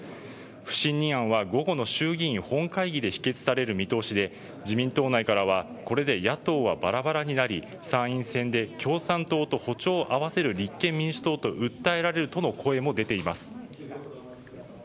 不信任案は午後の衆議院本会議で否決される見通しで自民党内からはこれで野党はバラバラになり参院選で共産党と歩調を合わせる立憲民主党と訴えられるとの声も出ています。